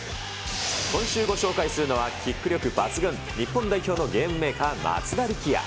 今週ご紹介するのは、キック力抜群、日本代表のゲームメーカー、松田力也。